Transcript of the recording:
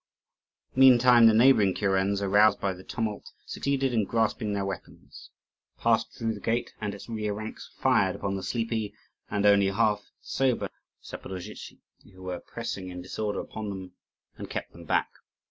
Meantime the neighbouring kurens, aroused by the tumult, succeeded in grasping their weapons; but the relieving force had already passed through the gate, and its rear ranks fired upon the sleepy and only half sober Zaporozhtzi who were pressing in disorder upon them, and kept them back.